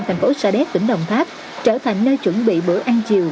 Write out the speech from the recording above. thành phố sa đéc tỉnh đồng tháp trở thành nơi chuẩn bị bữa ăn chiều